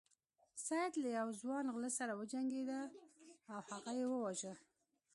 سید له یو ځوان غل سره وجنګیده او هغه یې وواژه.